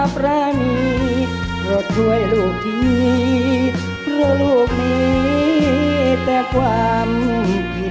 ผมผิดหวัง